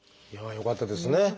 よかったです。